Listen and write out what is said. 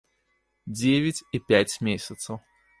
Дзевяць і пяць месяцаў.